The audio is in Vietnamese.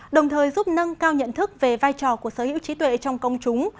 đồng thời giúp nâng cao nhận thức về vai trò của sở hữu trí tuệ trong công chúng